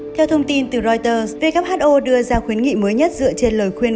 theo thông tin từ reuters who đưa ra khuyến nghị mới nhất dựa trên lời khuyên